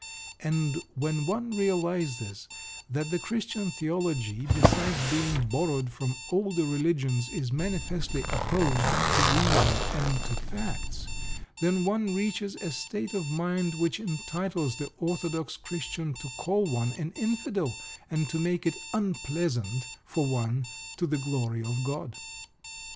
And when one realises that the Christian theology, besides being borrowed from older religions, is manifestly opposed to reason and to facts, then one reaches a state of mind which entitles the orthodox Christian to call one an "Infidel," and to make it "unpleasant" for one to the glory of God.